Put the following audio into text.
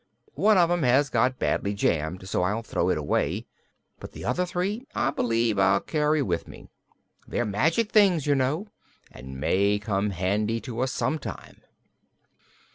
One of 'em has got badly jammed, so I'll throw it away, but the other three I b'lieve I'll carry with me. They're magic things, you know, and may come handy to us some time."